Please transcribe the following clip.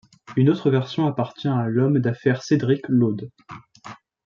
Une autre version appartient à l'homme d'affaires Cédric Laude.